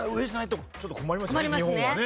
日本はね。